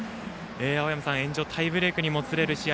青山さん延長タイブレークにもつれる試合